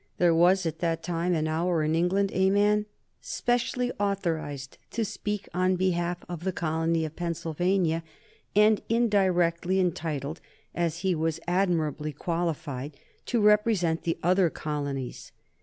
There was at that time and hour in England a man specially authorized to speak on behalf of the colony of Pennsylvania, and indirectly entitled as he was admirably qualified to represent the other colonies.